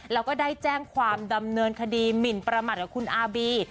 แล้วก็ได้แจ้งความดำเนินคดีหมินประมาทกับคุณอาบี